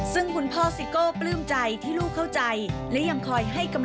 สวัสดีครับ